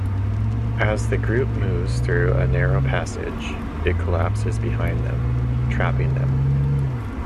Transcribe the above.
As the group moves through a narrow passage, it collapses behind them, trapping them.